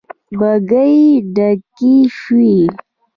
بګۍ ډکې شوې.